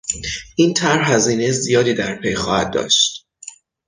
این طرح هزینهی زیادی در پی خواهد داشت.